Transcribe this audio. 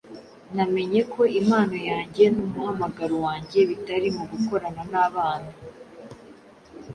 namenye ko impano yanjye n’umuhamagaro wanjye bitari mu gukorana n’abana.